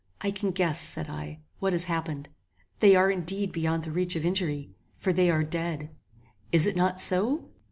"I can guess," said I, "what has happened They are indeed beyond the reach of injury, for they are dead! Is it not so?"